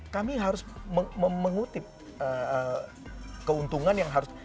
kami harus mengutip keuntungan yang harus